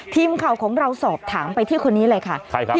ทีมข่าวของเราสอบถามไปที่คนนี้เลยค่ะใครครับ